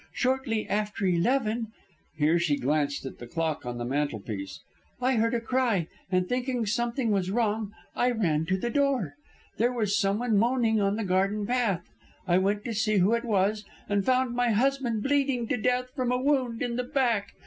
Shortly after eleven" here she glanced at the clock on the mantelpiece "I heard a cry, and thinking something was wrong I ran to the door. There was someone moaning on the garden path. I went to see who it was, and found my husband bleeding to death from a wound in the back.